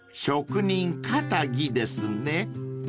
［「職人かたぎ」ですね］